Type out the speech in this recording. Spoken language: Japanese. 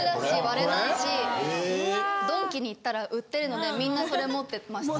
ドンキに行ったら売ってるのでみんなそれ持ってました。